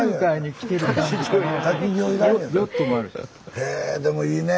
へえでもいいねぇ。